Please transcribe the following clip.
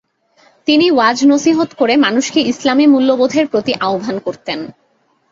তিনি ওয়াজ নসীহত করে মানুষকে ইসলামি মূল্যবোধের প্রতি আহবান করতেন।